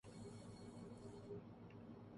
لتا منگیشکر کی عمر اس وقت لگ بھگ نّوے سال ہے۔